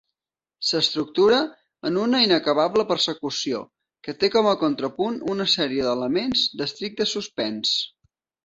S'estructura en una inacabable persecució que té com a contrapunt una sèrie d'elements d'estricte suspens.